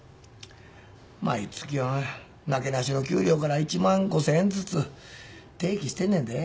毎月なけなしの給料から１万５，０００円ずつ定期してんねんで。